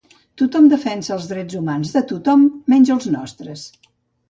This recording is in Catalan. Tothom defensa els drets humans de tothom, menys els nostres.